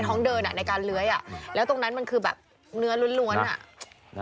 เพราะว่างูใช้ท้อง๗๐๖